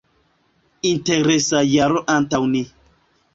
Interesa jaro antaŭ ni.